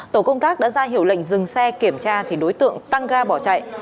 tổ công tác đã ra hiệu lệnh dừng xe kiểm tra thì đối tượng tăng ga bỏ chạy